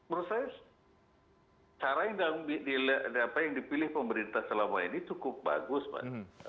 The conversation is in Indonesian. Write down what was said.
menurut saya cara yang dipilih pemerintah selama ini cukup bagus pak